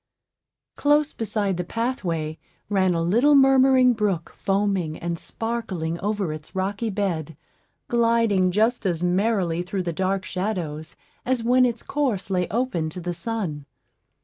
Close beside the pathway ran a little murmuring brook, foaming and sparkling over its rocky bed, gliding just as merrily through the dark shadows as when its course lay open to the sun.